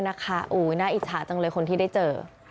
น่าอิจฉาจังเลยคนที่ได้เจอ